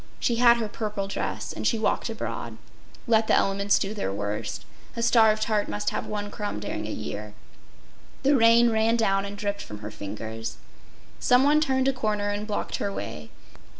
She had her purple dress and she walked abroad. Let the elements do their worst. A starved heart must have one crumb during a year. The rain ran down and dripped from her fingers. Some one turned a corner and blocked her way.